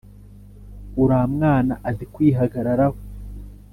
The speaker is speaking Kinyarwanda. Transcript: uramwana azi kwihagararaho